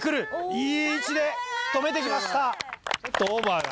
いい位置で止めてきました。